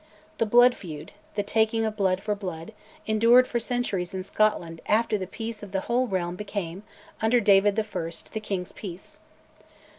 The blood feud, the taking of blood for blood, endured for centuries in Scotland after the peace of the whole realm became, under David I., "the King's peace."